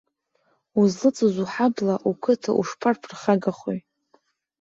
Узлыҵыз уҳабла, уқыҭа ушԥарԥырхагахои!